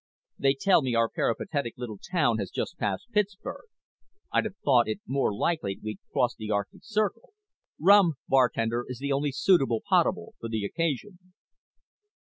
"They tell me our peripatetic little town has just passed Pittsburgh. I'd have thought it more likely we'd crossed the Arctic Circle. Rum, bartender, is the only suitable potable for the occasion."